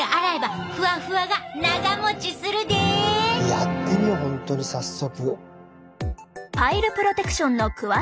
やってみよう本当に早速。